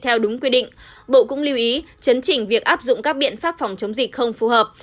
theo đúng quy định bộ cũng lưu ý chấn chỉnh việc áp dụng các biện pháp phòng chống dịch không phù hợp